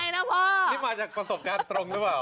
นี่มาจากประสบการณ์ตรงหรือเปล่า